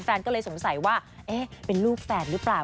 แฟนก็เลยสงสัยว่าเอ๊ะเป็นลูกแฝดหรือเปล่า